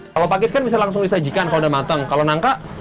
kalau pakis kan bisa langsung disajikan kalau udah matang kalau nangka